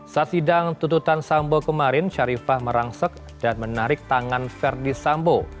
saat sidang tututan sambo kemarin sharifah merangsek dan menarik tangan verdi sambo